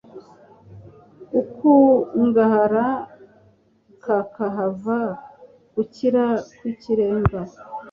gukungahara kakahava gukira bw'ikirenga